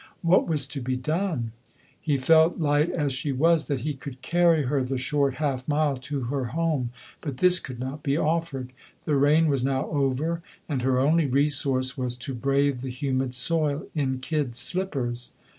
What was to be done ? He felt, light as she was, that he could carry LODORE. 103 her the short half mile to her home; but this could not be offered. The rain was now over; and her only resource was to brave the humid soil in kid slippers.